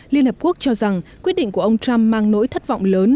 liên hợp quốc cho rằng quyết định của ông trump mang nỗi thất vọng lớn